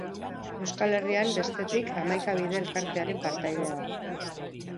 Euskal Herrian, bestetik, Hamaika Bide Elkartearen partaidea da.